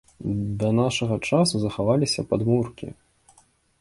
Да нашага часу захаваліся падмуркі.